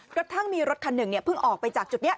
กระทั่งมีรถคันหนึ่งเพิ่งออกไปจากจุดนี้